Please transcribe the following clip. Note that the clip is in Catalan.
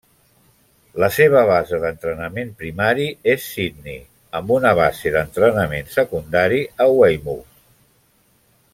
La seva base d'entrenament primari és Sydney, amb una base d'entrenament secundària a Weymouth.